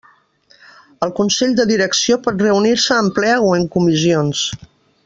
El Consell de Direcció pot reunir-se en ple o en comissions.